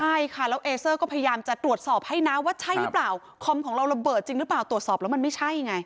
ใช่ค่ะแล้วเอเซอร์ก็พยายามจะตรวจสอบให้นะว่าใช่หรือเปล่าคอมของเราระเบิดจริงหรือเปล่าตรวจสอบแล้วมันไม่ใช่ไง